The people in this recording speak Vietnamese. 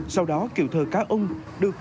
sau đó kiều thờ cá ông được